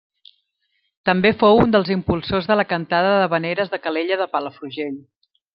També fou un dels impulsors de la cantada d'havaneres de Calella de Palafrugell.